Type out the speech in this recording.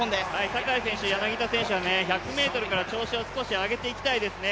坂井選手、柳田選手は１００ｍから調子を少し上げていきたいですね。